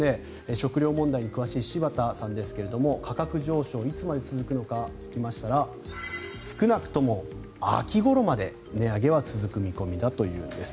食糧問題に詳しい柴田さんですが価格上昇、いつまで続くのか聞きましたら少なくとも秋ごろまで値上げは続く見込みだというんです。